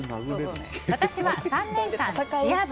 私は３年間チア部。